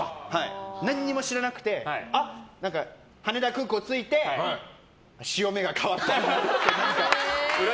何も知らなくて羽田空港着いて潮目が変わったと思って。